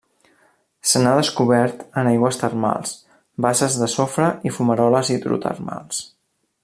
Se n'ha descobert en aigües termals, basses de sofre i fumaroles hidrotermals.